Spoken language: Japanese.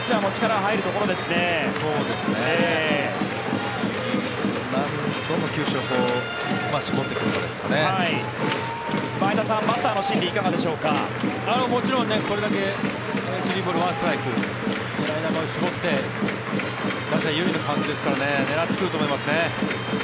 もちろんこれだけ３ボール１ストライク狙い球を絞って打者有利なカウントですから狙ってくると思いますね。